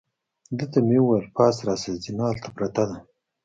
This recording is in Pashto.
ده ته مې وویل: پاس راشه، زینه هلته پرته ده.